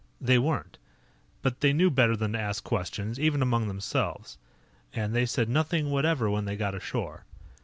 They weren't. But they knew better than to ask questions, even among themselves. And they said nothing whatever when they got ashore.